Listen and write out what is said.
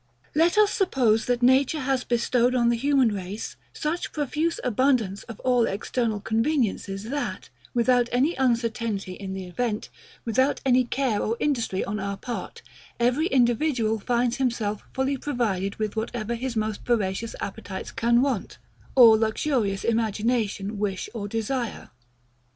Let us suppose that nature has bestowed on the human race such profuse ABUNDANCE of all EXTERNAL conveniencies, that, without any uncertainty in the event, without any care or industry on our part, every individual finds himself fully provided with whatever his most voracious appetites can want, or luxurious imagination wish or desire.